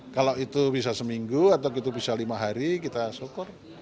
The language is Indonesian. kalau itu bisa seminggu atau bisa lima hari kita syukur